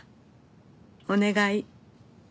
お願い。